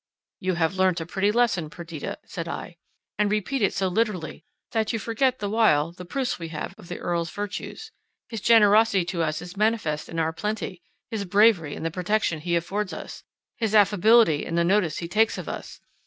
"You have learnt a pretty lesson, Perdita," said I, "and repeat it so literally, that you forget the while the proofs we have of the Earl's virtues; his generosity to us is manifest in our plenty, his bravery in the protection he affords us, his affability in the notice he takes of us.